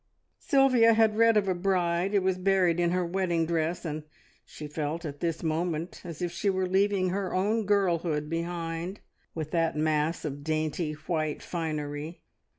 Sylvia had read of a bride who was buried in her wedding dress, and she felt at this moment as if she were leaving her own girlhood behind, with that mass of dainty white finery.